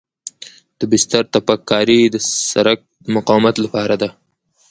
د بستر تپک کاري د سرک د مقاومت لپاره ده